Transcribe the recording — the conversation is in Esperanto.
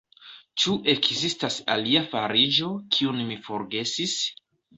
Ĉu ekzistas alia fariĝo, kiun mi forgesis?